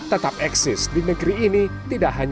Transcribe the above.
jika bekerja di negara tujuan